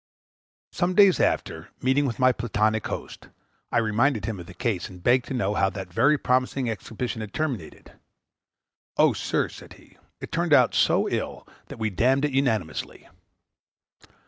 Some days after, meeting with my Platonic host, I reminded him of the case, and begged to know how that very promising exhibition had terminated. "Oh, sir," said he, "it turned out so ill, that we damned it unanimously."